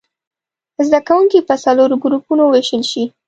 زده کوونکي په څلورو ګروپونو ووېشل شي.